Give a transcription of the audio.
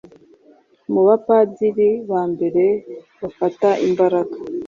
Mubapadiri ba mbere bafata imbaraga,